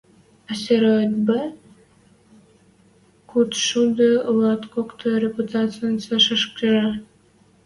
Астероид Б кудшӱдӹ луаткокты репутацин цӓшешӹжӹ